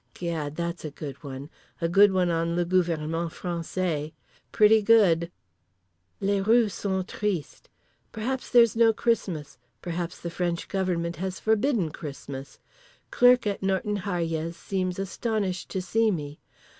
Gad that's a good one. A good one on le gouvernement français. Pretty good. Les rues sont tristes. Perhaps there's no Christmas, perhaps the French Government has forbidden Christmas. Clerk at Norton Harjes seemed astonished to see me.